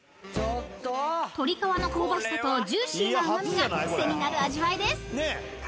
［とり皮の香ばしさとジューシーな甘味が癖になる味わいです］